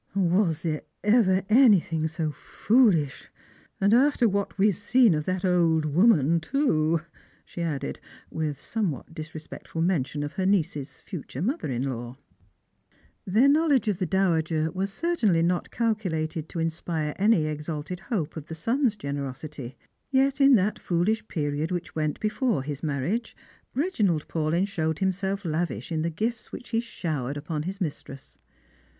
" Was there ever anything so foolish ? After what we have seen of that old woman too i " she added, with somewhat dis respectful mention of her niece's future mother in law." Their knowledge of the dowajer was certainly not calculated to inspire any exalted hope of the son's g'^nerosity. _ Yet, in that foolish period which went before his marriage, Reginald Paulyn showed himself lavish in the gifts which he showered upon hia mistress.